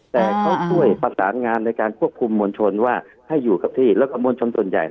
แต่เขาช่วยประสานงานในการควบคุมมวลชนว่าให้อยู่กับที่แล้วก็มวลชนส่วนใหญ่